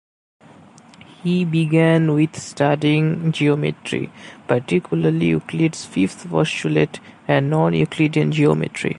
He began with studying geometry, particularly Euclid's fifth postulate and non-Euclidean geometry.